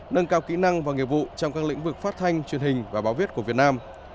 nâng cao kỹ năng và nghiệp vụ trong các lĩnh vực phát thanh truyền hình và báo viết của việt nam